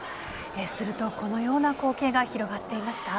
すると、このような光景が広がっていました。